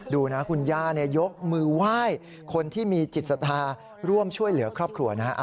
ดูนะคุณย่ายกมือไหว้คนที่มีจิตศรัทธาร่วมช่วยเหลือครอบครัวนะฮะ